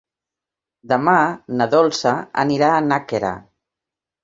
Demà na Dolça anirà a Nàquera.